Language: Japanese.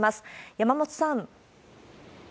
山本さん。